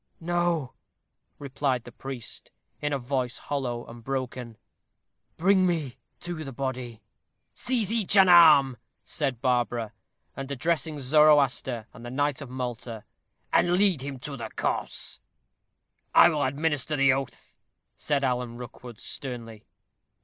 "No," replied the priest, in a voice hollow and broken. "Bring me to the body." "Seize each an arm," said Barbara, addressing Zoroaster and the knight of Malta, "and lead him to the corse." "I will administer the oath," said Alan Rookwood, sternly.